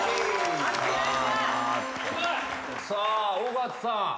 さあ尾形さん。